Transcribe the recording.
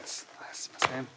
すいません